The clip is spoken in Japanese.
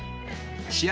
試合